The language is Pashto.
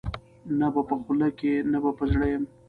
نه به په خولو کي نه به په زړه یم